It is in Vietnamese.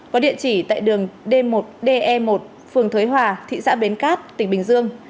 có địa chỉ tại đường d một de một phường thới hòa thị xã bến cát tỉnh bình dương